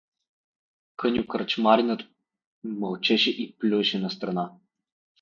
Къню кръчмаринът мълчеше и плюеше настрана.